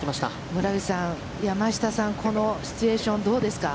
村口さん山下さんのこのシチュエーションどうですか？